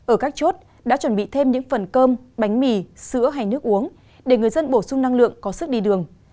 ở các chốt đã chuẩn bị thêm những phần cơm bánh mì sữa hay nước uống để người dân bổ sung năng lượng có sức đi đường